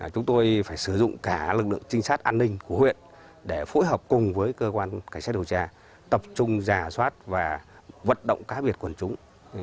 chúng tôi phải sử dụng cả lực lượng trinh sát an ninh của huyện để phối hợp cùng với cơ quan cảnh sát điều tra tập trung giả soát và vận động cá biệt quần chúng